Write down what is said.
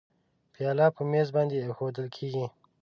پیاله په میز باندې اېښوول کېږي.